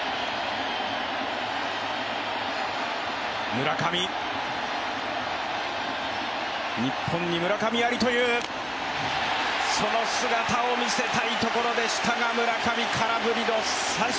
村上、日本に村上ありという、その姿を見せたいところでしたが、村上、空振りの三振。